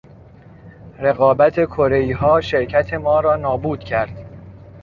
رقابت کرهایها شرکت ما را نابود کرد.